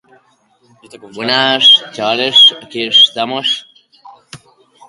Bigarren jardunaldian atzeratu zen neurketa izan da.